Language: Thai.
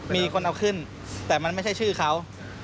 มีคนเอาขึ้นแต่มันไม่ใช่ชื่อเขา